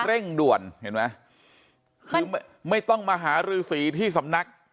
เร่งด่วนเห็นไหมคือไม่ต้องมาหารือสีที่สำนัก